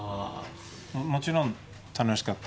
もちろん楽しかった。